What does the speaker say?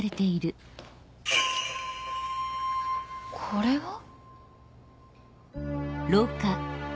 これは？